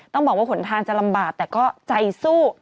ต้องบอกว่าหนทางจะลำบากแต่ก็ใจสู้